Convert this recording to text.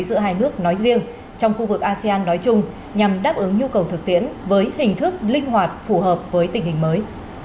giữa hai nước nói riêng trong khu vực asean nói chung nhằm đáp ứng nhu cầu thực tiễn với hình thức linh hoạt phù hợp với tình hình mới